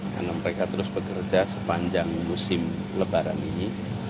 karena mereka terus bekerja sepanjang musim lebaran ini